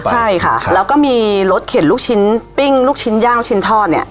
ใช่ค่ะแล้วก็มีรสเข็นลูกชิ้นปิ้งลูกชิ้นย่างลูกชิ้นทอดเนี่ย